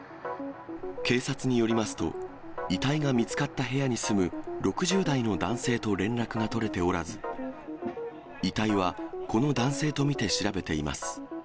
警察によりますと、遺体が見つかった部屋に住む６０代の男性と連絡が取れておらず、遺体はこの男性と見て調べています。